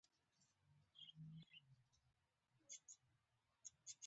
موخه یې د کارګرانو بسیج کېدو او رقابت کمزوري کول وو.